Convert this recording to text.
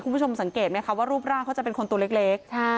คุณผู้ชมสังเกตไหมคะว่ารูปร่างเขาจะเป็นคนตัวเล็ก